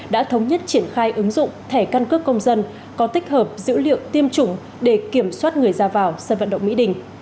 đã thống nhất triển khai ứng dụng thẻ căn cước công dân có tích hợp dữ liệu tiêm chủng để kiểm soát người ra vào sân vận động mỹ đình